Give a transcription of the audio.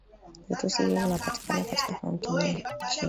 Virusi hivi vinapatikana katika kaunti nyingi nchini